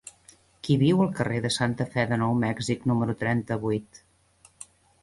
Qui viu al carrer de Santa Fe de Nou Mèxic número trenta-vuit?